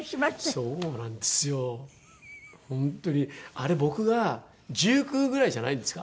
あれ僕が１９ぐらいじゃないですか？